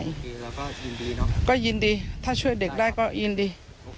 เราก็ยินดีเนอะก็ยินดีถ้าช่วยเด็กได้ก็ยินดี